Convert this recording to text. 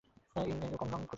You কনগ্রং কোথায়?